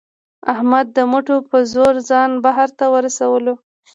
احمد د مټو په زور ځان بهر ته ورسولو.